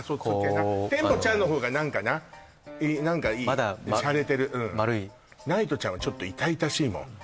テンポちゃんの方が何かな何かいいシャレてる丸いナイトちゃんはちょっと痛々しいもん